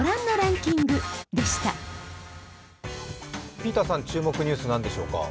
ピーターさん、注目ニュース何でしょうか？